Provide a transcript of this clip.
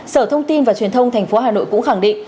sở thông tin và truyền thông tp hcm cũng khẳng định